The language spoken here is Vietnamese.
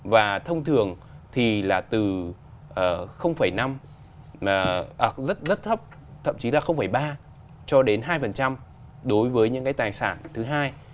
và thông thường thì là từ năm rất rất thấp thậm chí là ba cho đến hai đối với những cái tài sản thứ hai